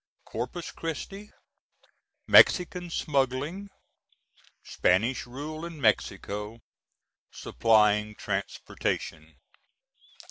CORPUS CHRISTI MEXICAN SMUGGLING SPANISH RULE IN MEXICO SUPPLYING TRANSPORTATION.